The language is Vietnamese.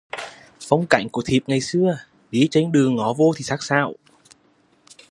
Phong cảnh của thiếp ngày xưa, đi trên đường ngó vô thì sắc sảo